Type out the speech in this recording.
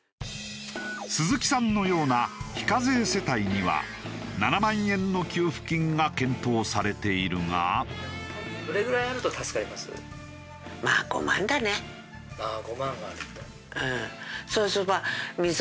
鈴木さんのような非課税世帯には７万円の給付金が検討されているが。という事で本日は。